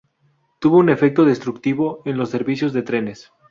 Tuvo un efecto destructivo en los servicios de trenes.